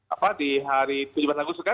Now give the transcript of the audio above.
apa di hari tujuh belas agustus